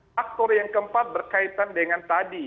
faktor yang keempat berkaitan dengan tadi